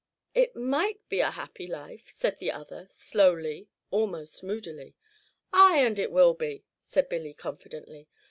"It might be a happy life," said the other, slowly, almost moodily. "Ay, and it will be," said Billy, confidently.